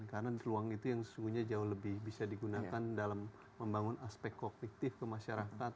karena ruang itu yang sesungguhnya jauh lebih bisa digunakan dalam membangun aspek kognitif kemasyarakat